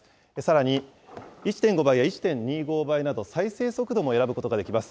さらに１．５倍や１．２５倍など、再生速度も選ぶことができます。